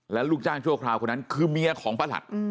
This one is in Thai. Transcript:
และลูกจ้างชั่วคราวคนนั้นคือเมียของประหลัด